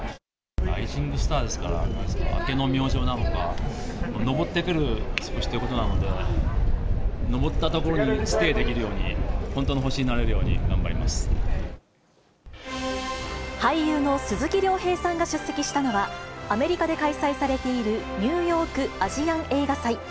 ライジングスターですから、明けの明星なのか、昇ってくる星ということなので、のぼったところにステイできるように、本当の星になれるように頑俳優の鈴木亮平さんが出席したのは、アメリカで開催されているニューヨーク・アジアン映画祭。